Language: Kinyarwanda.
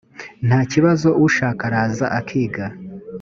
nta kibazo ushaka araza akiga.